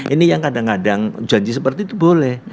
ini yang kadang kadang janji seperti itu boleh